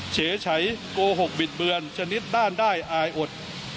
เฉยโกหกบิดเบือนชนิดด้านได้อายอด